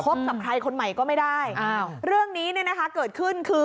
กับใครคนใหม่ก็ไม่ได้อ้าวเรื่องนี้เนี่ยนะคะเกิดขึ้นคือ